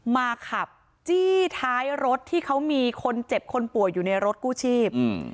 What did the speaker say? มาขับจี้ท้ายรถที่เขามีคนเจ็บคนป่วยอยู่ในรถกู้ชีพ